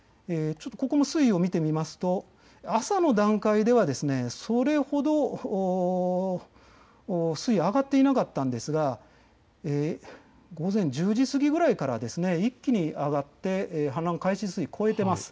ここも水位を見てみますと朝の段階ではそれほど水位、上がっていなかったんですが午前１０時過ぎぐらいから一気に上がって氾濫開始水位を上がっています。